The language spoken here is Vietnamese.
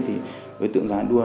thì với tượng giàng a đua